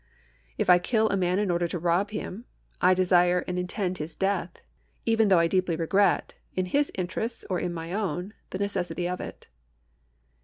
If I kill a man in order to rob him, I deske and intend his death, even though I deeply regret, in his interests or in my own, the necessity of it.